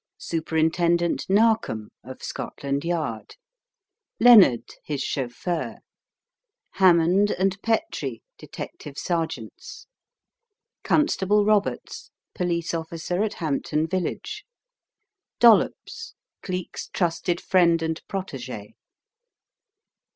Superintendent Narkom, of Scotland Yard. Lennard, his chauffeur. Hammond ) f Detective Sergeants. Petrie ) Constable Roberts, Police Officer at Hampton Village. Dollops, Geek's trusted friend and protegS.